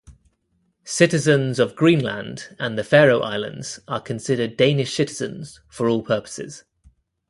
Citizens of Greenland and the Faroe islands are considered Danish citizens for all purposes.